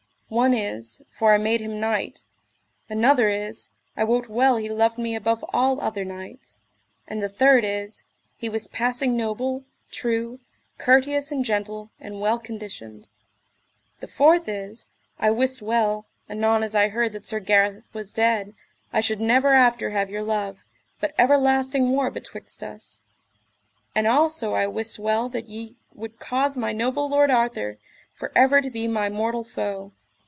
One is, for I made him knight; another is, I wot well he loved me above all other knights; and the third is, he was passing noble, true, courteous, and gentle, and well conditioned; the fourth is, I wist well, anon as I heard that Sir Gareth was dead, I should never after have your love, but everlasting war betwixt us; and also I wist well that ye would cause my noble lord Arthur for ever to be my mortal foe.